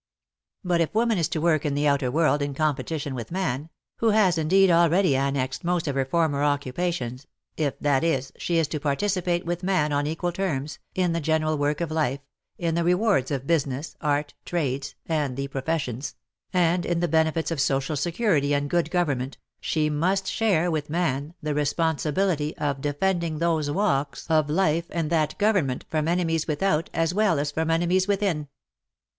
But if woman is to work in the outer world in competition with man, who has indeed already annexed most of her former occupations, if, that is, she is to participate with man on equal terms, in the general work of life, in the rewards of business, art, trades and the pro fessions, and in the benefits of social security and good government, she must share with man the responsibility of defending those walks 2i8 WAR AND WOMEN of life and that government, from enemies without, as well as from enemies within.